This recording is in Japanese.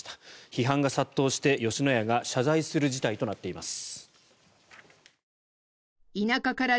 批判が殺到して吉野家が謝罪する事態となっています。